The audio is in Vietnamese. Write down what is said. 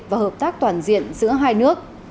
và hợp tác toàn diện giữa hai nước